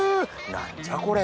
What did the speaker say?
何じゃこれ。